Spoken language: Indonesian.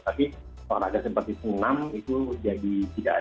tapi kalau ada simpetisi enam itu jadi tidak ada